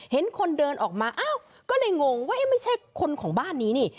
เห็นคนเดินออกมาอ้าวก็เลยงงว่าเอ๊ะไม่ใช่คนของบ้านนี้นี่